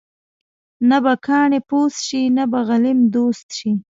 نه به کاڼې پوست شي، نه به غلیم دوست شي.